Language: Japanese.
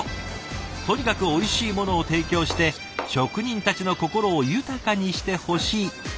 とにかくおいしいものを提供して職人たちの心を豊かにしてほしいとのこと。